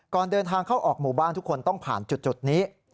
ก่อนเดินทางเข้าออกหมู่บ้านทุกคนต้องผ่านจุดนี้